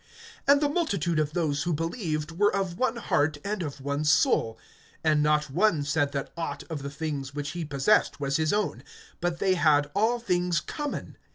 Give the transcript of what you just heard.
(32)And the multitude of those who believed were of one heart and of one soul; and not one said that aught of the things which he possessed was his own, but they had all things common.